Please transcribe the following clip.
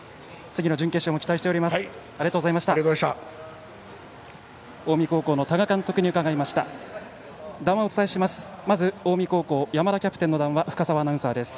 次の準決勝も期待しております。